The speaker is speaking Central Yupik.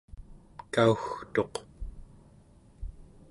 kaugtuq